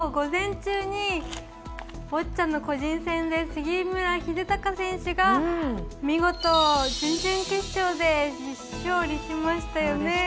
きょう、午前中にボッチャの個人戦で杉村英孝選手が見事準々決勝で勝利しましたよね。